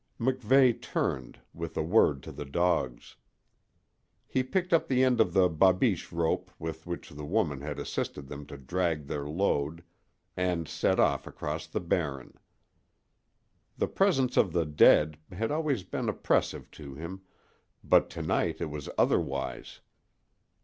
MacVeigh turned, with a word to the dogs. He picked up the end of the babiche rope with which the woman had assisted them to drag their load, and set off across the Barren. The presence of the dead had always been oppressive to him, but to night it was otherwise.